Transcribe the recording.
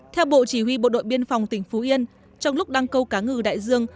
theo bộ chỉ huy bộ đội biên phòng tỉnh phú yên trong lúc đăng câu cá ngừ đại dương